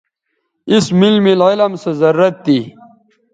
اس میل میل علم سو ضرورت تھی